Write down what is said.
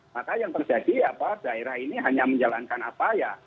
maka yang terjadi apa daerah ini hanya menjalankan apa ya